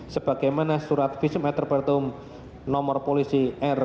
sebagaimana surat visum et reputum nomor polisi r tujuh satu dua ribu enam belas